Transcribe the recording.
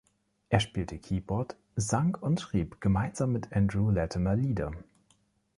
Er spielte Keyboard, sang und schrieb gemeinsam mit Andrew Latimer Lieder.